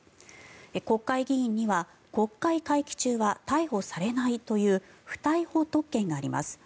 国会議員には国会会期中は逮捕されないという不逮捕特権があります。